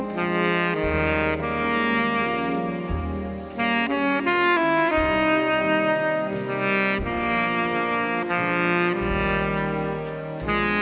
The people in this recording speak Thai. โปรดติดตามต่อไป